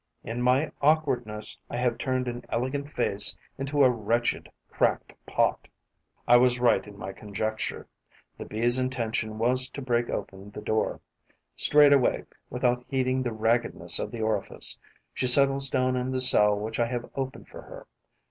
In my awkwardness, I have turned an elegant vase into a wretched cracked pot. I was right in my conjecture: the Bee's intention was to break open the door. Straight away, without heeding the raggedness of the orifice, she settles down in the cell which I have opened for her.